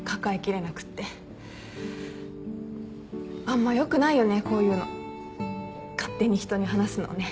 あんまよくないよねこういうの勝手に人に話すのね。